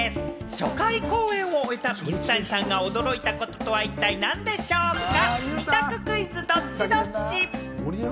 初回公演を終えた水谷さんが驚いたことはどんなことでしょうか？